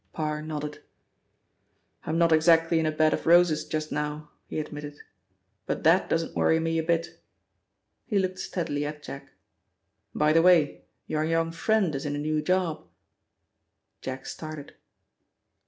Parr nodded. "I'm not exactly in a bed of roses just now," he admitted. "But that doesn't worry me a bit." He looked steadily at Jack. "By the way, your young friend is in a new job." Jack started.